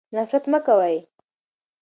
نفرت مه کوئ.